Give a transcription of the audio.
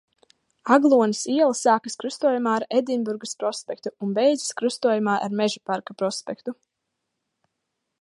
Aglonas iela sākas krustojumā ar Edinburgas prospektu un beidzas krustojumā ar Mežaparka prospektu.